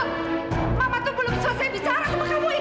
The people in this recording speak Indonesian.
mama tuh belum selesai bicara sama kamu edo